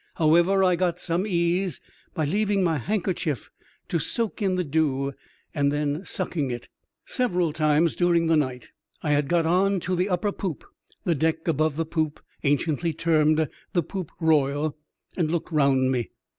However, I got some ease by leaving my handker chief to soak in the dew and then sucking it. Several times during the night I had got on to the upper poop — the deck above the poop anciently termed the poop royal — and looked around me.